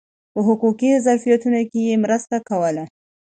په حقوقي ظرافتونو کې یې مرسته کوله.